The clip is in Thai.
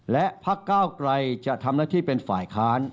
และพักก้าวไกรจะทำหน้าที่เป็นฝ่ายค้าน